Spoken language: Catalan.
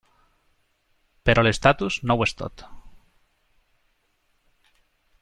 Però l'estatus no ho és tot.